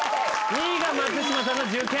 ２位が松嶋さんの「受験」